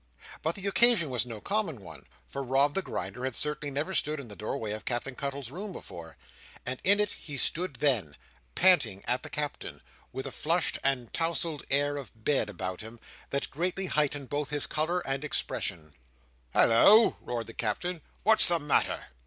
But the occasion was no common one, for Rob the Grinder had certainly never stood in the doorway of Captain Cuttle's room before, and in it he stood then, panting at the Captain, with a flushed and touzled air of Bed about him, that greatly heightened both his colour and expression. "Holloa!" roared the Captain. "What's the matter?"